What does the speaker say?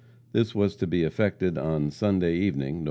This was to be effected on Sunday evening, Nov.